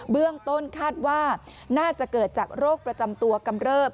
เบื้องต้นคาดว่าน่าจะเกิดจากโรคประจำตัวกำเริบ